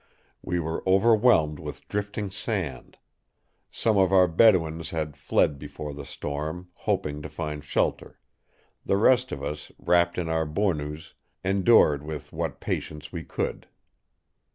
We were overwhelmed with drifting sand. Some of our Bedouins had fled before the storm, hoping to find shelter; the rest of us, wrapped in our bournous, endured with what patience we could.